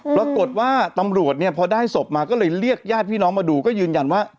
ปรากฏว่าตำรวจเนี่ยพอได้ศพมาก็เลยเรียกญาติพี่น้องมาดูก็ยืนยันว่า